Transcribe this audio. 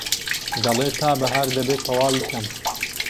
دەڵێ تا بەهار دەبێ تەواوی کەم